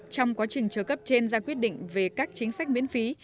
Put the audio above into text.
trong quá trình trợ cấp trên ra quyết định về các chính sách miễn phí